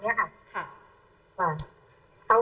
เดี๋ยวลองฟังดูนะครับ